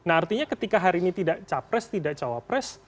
nah artinya ketika hari ini tidak capres tidak cawapres